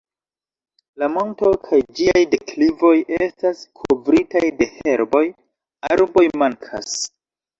La monto kaj ĝiaj deklivoj estas kovritaj de herboj, arboj mankas.